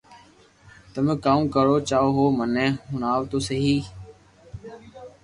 تمو ڪاو ڪيوُ چاھو ھون مني ھڻاو تو سھي